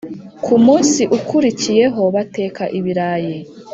Ku munsi ukurikiyeho bateka ibirayi